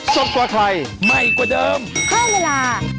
สวัสดีค่ะ